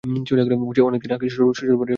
বুচি অনেকদিন আগে শ্বশুরবাড়ি চলিয়া গিয়াছে।